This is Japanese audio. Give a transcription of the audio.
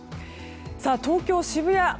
東京の渋谷